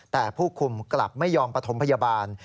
แต่ผู้คุมกลับไม่ยอมปฐมพยาบาล